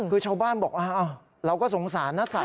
คือชาวบ้านบอกเราก็สงสารนะ